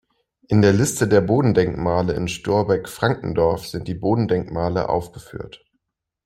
In der Liste der Bodendenkmale in Storbeck-Frankendorf sind die Bodendenkmale aufgeführt.